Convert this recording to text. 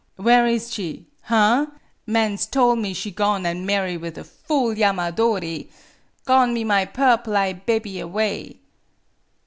'Where is she? Hah! Mans tole me she gone an' marry with a fool Yamadori! Gone me my purple eye' bebby away.'